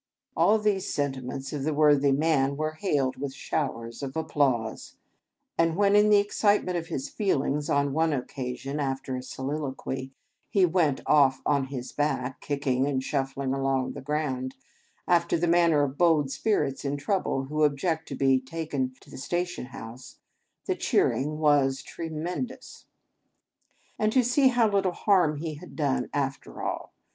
All these sentiments of the worthy man were hailed with showers of applause; and when, in the excitement of his feelings on one occasion, after a soliloquy, he "went off" on his back, kicking and shufling along the ground, after the manner of bold spirits in trouble who object to be taken to the station house, the cheering was tremendous. And to see how little harm he had done, after all!